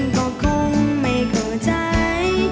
ก็คงไม่เข้าใจ